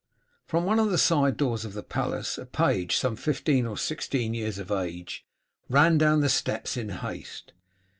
From one of the side doors of the palace a page, some fifteen or sixteen years of age, ran down the steps in haste.